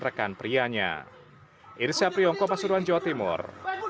rekan prianya irsyapriyongko pasuruan jawa timur